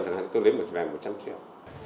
chẳng hạn tôi lấy về một trăm linh triệu